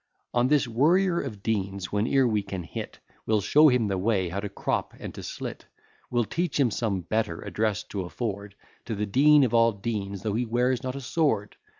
On this worrier of deans whene'er we can hit, We'll show him the way how to crop and to slit; We'll teach him some better address to afford To the dean of all deans, though he wears not a sword.